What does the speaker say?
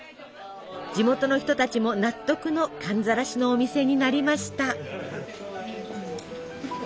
地元の人たちも納得の寒ざらしのお店になりました。